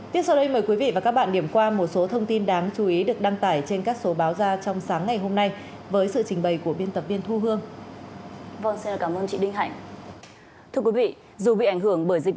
tiếp sau đây mời quý vị và các bạn điểm qua một số thông tin đáng chú ý được đăng tải trên các số báo ra trong sáng ngày hôm nay với sự trình bày của biên tập viên thu hương